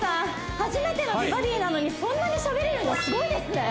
初めての「美バディ」なのにそんなにしゃべれるのすごいですね